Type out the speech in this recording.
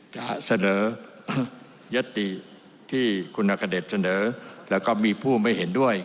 จะเสนอยัตติที่คุณอัคเดชเสนอแล้วก็มีผู้ไม่เห็นด้วย